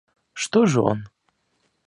Что же он?